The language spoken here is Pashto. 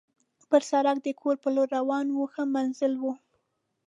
پر سړک د کور په لور روان وو، ښه مزل وو.